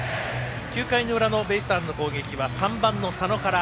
９回の裏のベイスターズの攻撃は３番の佐野から。